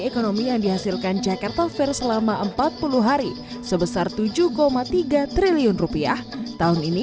ekonomi yang dihasilkan jakarta fair selama empat puluh hari sebesar tujuh tiga triliun rupiah tahun ini